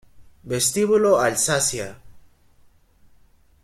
Vestíbulo Alsacia